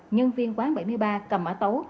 nhân viên quán bảy mươi ba cầm ả tấu